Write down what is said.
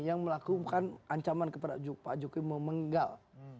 yang melakukan ancaman kepada pak jokowi mau menggal